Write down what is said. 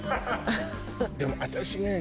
でも私ね